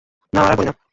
না মারার করি না।